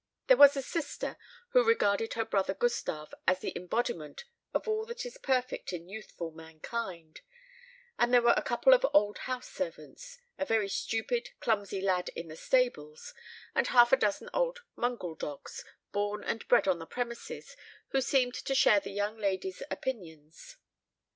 There was a sister, who regarded her brother Gustave as the embodiment of all that is perfect in youthful mankind; and there were a couple of old house servants, a very stupid clumsy lad in the stables, and half a dozen old mongrel dogs, born and bred on the premises, who seemed to share the young lady's opinions.